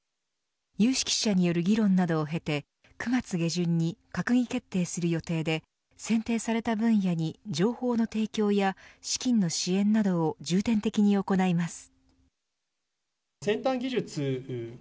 有識者による議論などを経て９月下旬に閣議決定する予定で選定された分野に情報の提供や資金の支援などを重点的に行います。